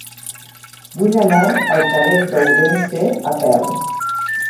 Vull anar al carrer d'Ourense a peu.